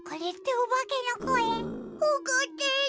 おこってる。